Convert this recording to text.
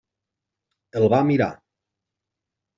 El va mirar.